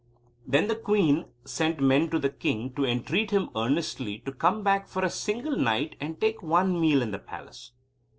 Then the queen sent men to the king to entreat him earnestly to come back for a single night and take one meal in the palace.